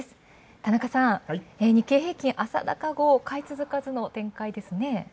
田中さん、日経平均、朝方後、買い続かずの展開ですね。